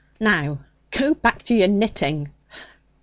Now go back to your knitting.